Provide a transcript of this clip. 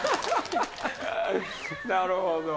なるほど。